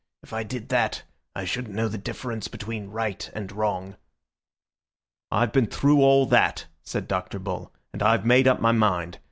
If I did that I shouldn't know the difference between right and wrong." "I've been through all that," said Dr. Bull, "and I've made up my mind.